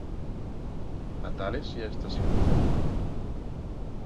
A Tales hi ha estació de tren?